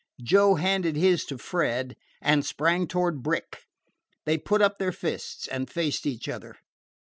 Joe handed his to Fred, and sprang toward Brick. They put up their fists and faced each other.